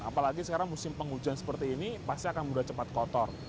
apalagi sekarang musim penghujan seperti ini pasti akan mudah cepat kotor